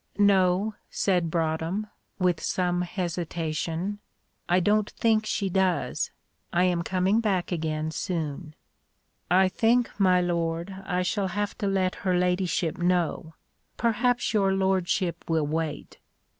"No," said Broadhem, with some hesitation; "I don't think she does. I am coming back again soon." "I think, my lord, I shall have to let her ladyship know perhaps your lordship will wait.